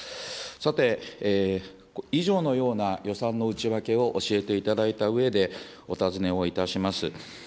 さて、以上のような予算の内訳を教えていただいたうえで、お尋ねをいたします。